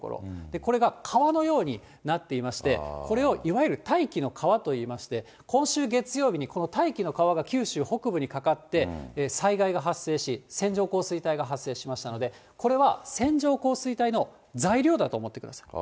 これが川のようになっていまして、これをいわゆる大気の川といいまして、今週月曜日にこの大気の川が九州北部にかかって、災害が発生し、線状降水帯が発生しましたので、これは線状降水帯の材料だと思ってください。